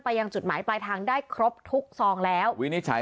ยังจุดหมายปลายทางได้ครบทุกซองแล้ววินิจฉัย